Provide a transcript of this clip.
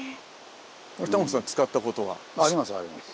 タモリさん使ったことは？ありますあります。